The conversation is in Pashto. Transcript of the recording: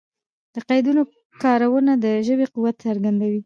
د قیدونو کارونه د ژبي قوت څرګندوي.